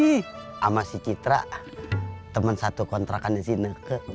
sama si citra temen satu kontrakan di sini